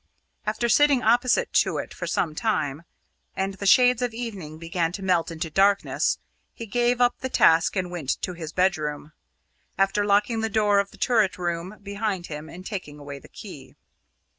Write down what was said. After sitting opposite to it for some time, and the shades of evening beginning to melt into darkness, he gave up the task and went to his bedroom, after locking the door of the turret room behind him and taking away the key.